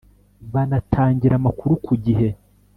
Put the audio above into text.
banatangira amakuru ku gihe